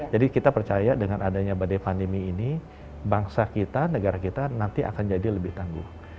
jadi kita percaya dengan adanya badai pandemi ini bangsa kita negara kita nanti akan jadi lebih tangguh